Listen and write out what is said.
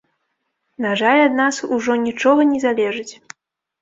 На жаль, ад нас ужо нічога не залежыць.